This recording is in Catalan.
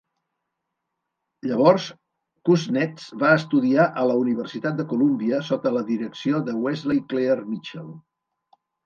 Llavors Kuznets va estudiar a la Universitat de Columbia sota la direcció de Wesley Clair Mitchell.